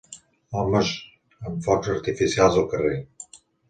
homes amb focs artificials al carrer.